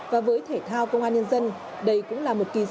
và với thể thao công an nhân dân đây cũng là một kỳ sea games